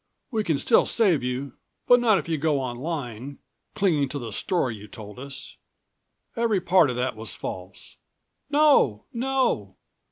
We can still save you, but not if you go on lying, clinging to the story you told us. Every part of that is false." "No, no!"